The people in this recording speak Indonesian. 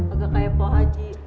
agak kayak pak haji